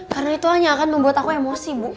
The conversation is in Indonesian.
karena itu hanya akan membuat aku emosi bu